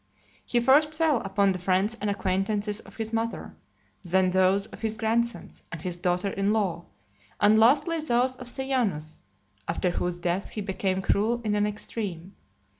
He first fell upon the friends and acquaintance of his mother, then those of his grandsons, and his daughter in law, and lastly those of Sejanus; after whose death he became cruel in the extreme.